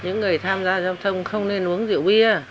những người tham gia giao thông không nên uống rượu bia